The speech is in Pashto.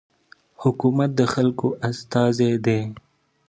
حکومت د خلکو استازی دی.